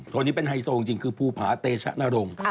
คนนี้เป็นไฮโซจริงคือภูภาเตชะนโรง